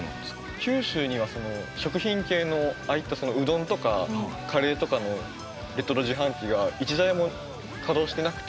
九州には食品系のああいったうどんとかカレーとかのレトロ自販機が１台も稼働してなくて。